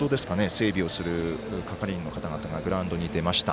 整備をする係員の方がグラウンドに出ました。